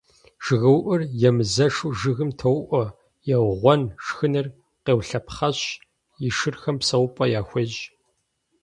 ЖыгыуIур емызэшу жыгым тоуIуэ, еугъуэн, шхыныр къеулъэпхъэщ, и шырхэм псэупIэ яхуещI.